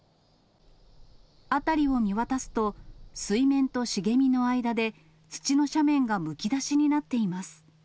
辺りを見渡すと、水面と茂みの間で土の斜面がむき出しになっています。